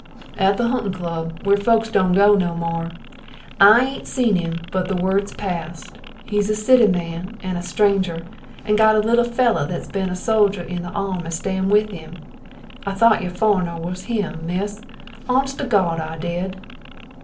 "At the huntin' club where folks don't go no more. I ain't seen him, but th' word's passed. He's a city man and a stranger, and got a little fella' that's been a soldier into th' army stayin' with 'im. I thought yo' furriner was him, Miss, honest to God I did."